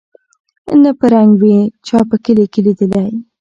نه په رنګ وې چا په کلي کي لیدلی